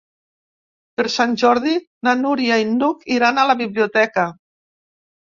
Per Sant Jordi na Núria i n'Hug iran a la biblioteca.